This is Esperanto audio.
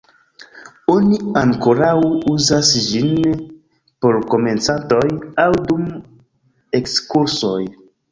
Oni ankoraŭ uzas ĝin por komencantoj aŭ dum ekskursoj.